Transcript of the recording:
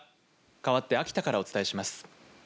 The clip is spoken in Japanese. かわって秋田からお伝えします。